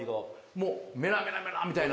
もうメラメラメラみたいな？